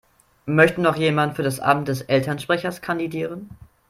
Möchte noch jemand für das Amt des Elternsprechers kandidieren?